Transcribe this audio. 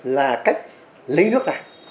là cách lấy nước ra